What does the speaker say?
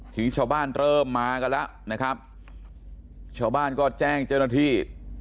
ทีนี้ชาวบ้านเริ่มมากันแล้วนะครับชาวบ้านก็แจ้งเจ้าหน้าที่